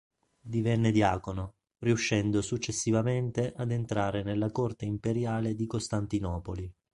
Divenne diacono, riuscendo successivamente ad entrare nella corte imperiale di Costantinopoli.